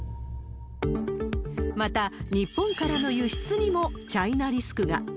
また、日本からの輸出にもチャイナリスクが。